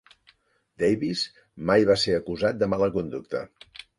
Davis mai va ser acusat de mala conducta.